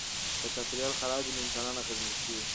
که چاپیریال خراب وي نو انسانان اغېزمن کیږي.